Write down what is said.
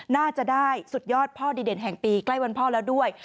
น่าจะได้สุดยอดพ่อดีเด่นแห่งปีใกล้วันพ่อแล้วด้วย